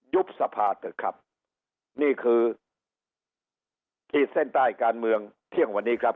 ยุบสภาสเพิ่มนี่คือขีดเส้นใต้การเมืองเที่ยงวันนี้ครับ